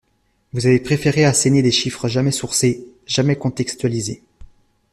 Vous avez préféré asséner des chiffres, jamais « sourcés », jamais contextualisés.